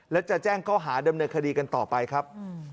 และจะแจ้งข้อหาดำเนินคดีกันต่อไปครับ